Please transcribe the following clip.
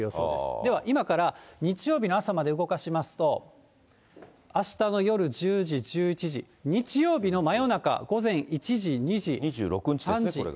では今から日曜日の朝まで動かしますと、あしたの夜１０時、１１時、日曜日の真夜中、午前１時、２６日ですね、これが。